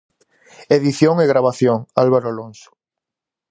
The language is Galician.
Edición e gravación: Álvaro Alonso.